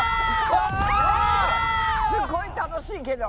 すごい楽しいけど。